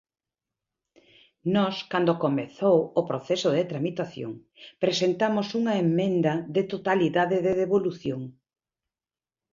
Nós, cando comezou o proceso de tramitación, presentamos unha emenda de totalidade de devolución.